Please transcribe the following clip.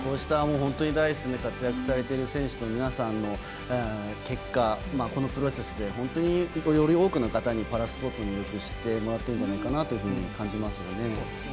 本当に第一線で活躍されている選手の皆さんの結果、このプロセスでより多くの方にパラスポーツの魅力知ってもらってるのかなと思いますよね。